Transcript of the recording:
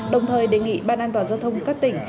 đồng thời đề nghị ban an toàn giao thông các tỉnh